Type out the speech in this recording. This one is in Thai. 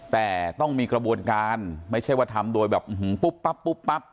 แต่ต้องมีกระบวนการไม่ใช่ว่าทำโดยแบบปุ๊บปั๊บปุ๊บปั๊บ